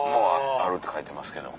あるって書いてますけど。